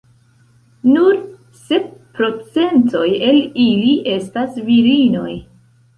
Nur sep procentoj el ili estas virinoj.